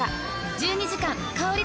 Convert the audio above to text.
１２時間香り続く。